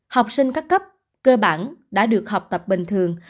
học sinh các cấp cơ bản đã được học tập bình thường